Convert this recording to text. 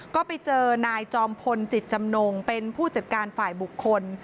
ก็ไปเจอนายจอมพลจิตจำนงเป็นผู้จัดการฝ่ายบุคคล